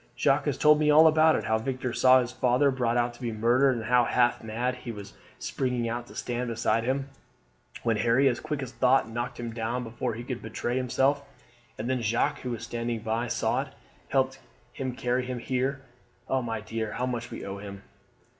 Jacques has told me all about it how Victor saw his father brought out to be murdered; and how, half mad, he was springing out to stand beside him, when Harry as quick as thought knocked him down before he could betray himself; and then Jacques, who was standing by saw it, helped him carry him here. Oh, my dear, how much we owe him!